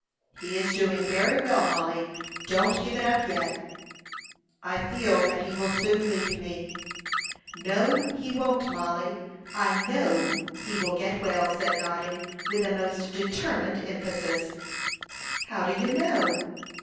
"He is doing very well, Mollie. Don't give it up yet." "I feel that he will soon leave me." "No, he won't, Mollie. I know he will get well," said Noddy, with the most determined emphasis. "How do you know?"